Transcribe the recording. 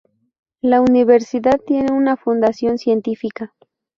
La universidad tiene una fundación científica.